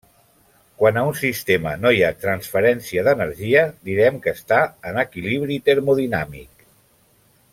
Quan a un sistema no hi ha transferència d'energia direm que està en equilibri termodinàmic.